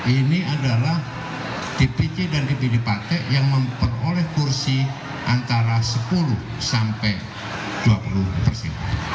ini adalah dpc dan dpd partai yang memperoleh kursi antara sepuluh sampai dua puluh persen